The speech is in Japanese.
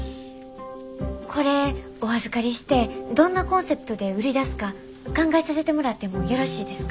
これお預かりしてどんなコンセプトで売り出すか考えさせてもらってもよろしいですか？